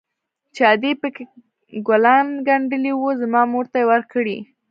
چې ادې پكښې ګلان ګنډلي وو زما مور ته يې وركړي.